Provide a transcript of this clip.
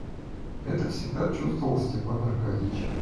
Это всегда чувствовал Степан Аркадьич.